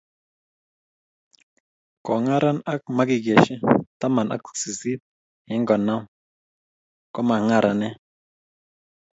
Kongaran ak makikeshi taman ak sisit eng konam ko mangaranee.